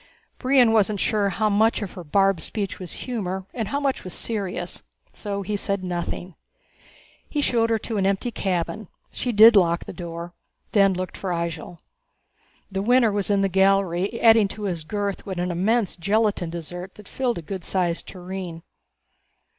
Brion wasn't sure how much of her barbed speech was humor and how much was serious, so he said nothing. He showed her to an empty cabin she did lock the door then looked for Ihjel. The Winner was in the galley adding to his girth with an immense gelatin dessert that filled a good sized tureen.